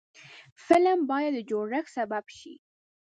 فلم باید د جوړښت سبب شي